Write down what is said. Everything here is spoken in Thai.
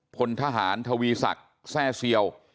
พลทหารทวีศักดิ์แทร่เซียว